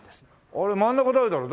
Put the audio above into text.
あれ真ん中誰だろう？